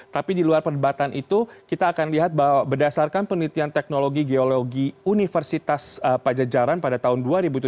tapi di luar perdebatan itu kita akan lihat bahwa berdasarkan penelitian teknologi geologi universitas pajajaran pada tahun dua ribu tujuh belas